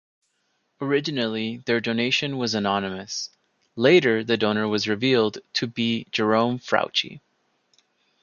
Originally, their donation was anonymous; later, the donor was revealed to be Jerome Frautschi.